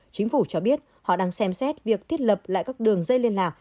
chính phủ cho biết họ đang xem xét việc thiết lập lại các đường dây liên lạc